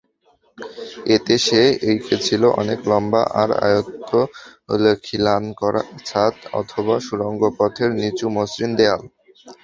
এতে সে ঐকেছিল অনেক লম্বা আর আয়ত খিলানকরা ছাদ অথবা সুড়ঙ্গপথের নিচু মসৃণ দেয়াল।